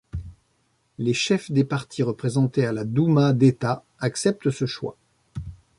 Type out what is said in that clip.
Les chefs des partis représentés à la Douma d'État acceptent ce choix.